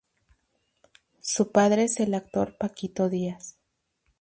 Su padre es el actor Paquito Diaz.